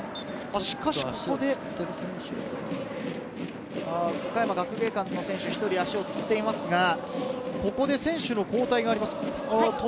しかしここで岡山学芸館の選手、１人、足をつっていますが、ここで選手の交代がありますか？